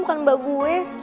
bukan mbak gue